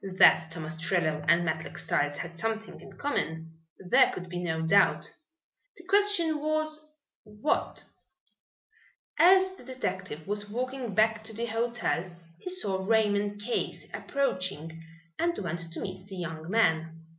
That Tom Ostrello and Matlock Styles had something in common there could be no doubt. The question was, What? As the detective was walking back to the hotel he saw Raymond Case approaching and went to meet the young man.